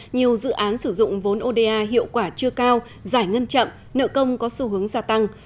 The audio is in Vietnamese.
nhiều dự án sử dụng vốn oda hiệu quả chưa cao giải ngân chậm nợ công có xu hướng gia tăng